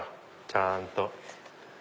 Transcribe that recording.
ちゃんと。